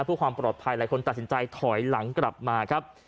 เพื่อความปลอดภัยหลายคนตัดสินใจถอยหลังกลับมาครับ